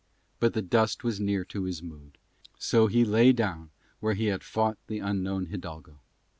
But the dust was near to his mood, so he lay down where he had fought the unknown hidalgo.